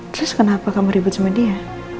terus kenapa kamu ribut sama dia